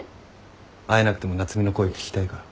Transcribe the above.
会えなくても夏海の声聞きたいから。